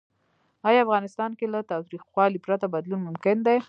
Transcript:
آیا افغانستان کې له تاوتریخوالي پرته بدلون ممکن دی؟